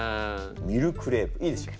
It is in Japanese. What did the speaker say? ミルクレープいいでしょ？